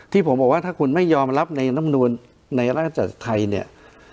ที่ผมบอกว่าถ้าคุณไม่ยอมรับในน้ำนวลในร่างจากไทย